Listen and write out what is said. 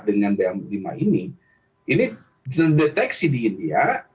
dengan b lima ini ini dideteksi di india